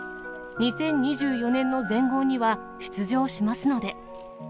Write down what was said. ２０２４年の全豪には、出場しますので。